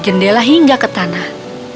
jendela hingga ke tanah